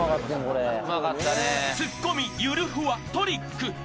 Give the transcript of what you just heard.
［ツッコミゆるふわトリック］